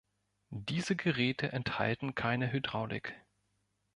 Diese Geräte enthalten keine Hydraulik.